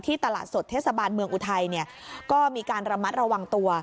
ตลาดสดเทศบาลเมืองอุทัยเนี่ยก็มีการระมัดระวังตัว